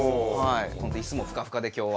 本当椅子もふかふかで今日は。